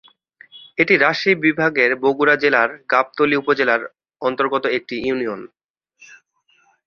এটি রাজশাহী বিভাগের বগুড়া জেলার গাবতলী উপজেলার অন্তর্গত একটি ইউনিয়ন।